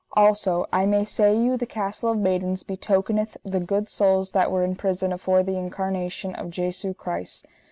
Also I may say you the Castle of Maidens betokeneth the good souls that were in prison afore the Incarnation of Jesu Christ.